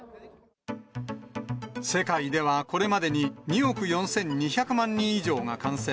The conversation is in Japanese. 世界ではこれまでに２億４２００万人以上が感染。